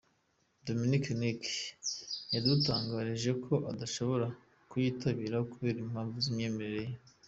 Dominic Nic yadutangarije ko adashobora kuyitabira kubera impamvu z’imyemerere ye.